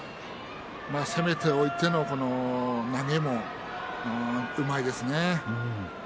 攻めておいての投げもうまいですね。